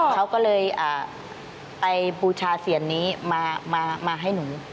เขาก็เลยไปบูชาเซียนนี้มาให้หนู